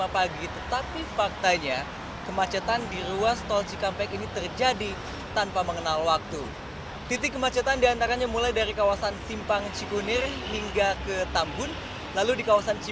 pertama kali di ruas tol cikampek di kawasan tambun bekasi kemudian di ruas tol cikampek di kawasan tambun bekasi